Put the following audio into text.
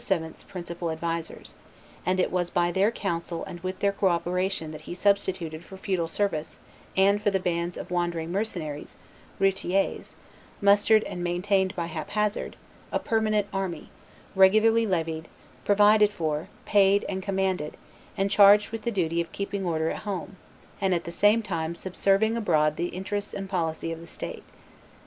's principal advisers; and it was by their counsel and with their co operation that he substituted for feudal service and for the bands of wandering mercenaries (routiers), mustered and maintained by hap hazard, a permanent army, regularly levied, provided for, paid, and commanded, and charged with the duty of keeping order at home, and at the same time subserving abroad the interests and policy of the state.